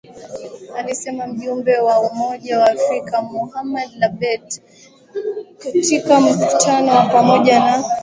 alisema mjumbe wa Umoja wa Afrika Mohamed Lebatt katika mkutano wa pamoja na